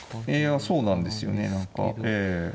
いやそうなんですよね